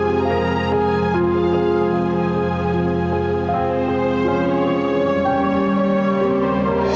pengacara lacak sebagai dari saya berjuka untuk menghadapimu